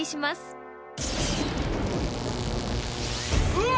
うわ！